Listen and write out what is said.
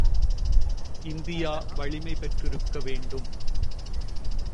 India வலிமை பெற்றிருக்க வேண்டும்.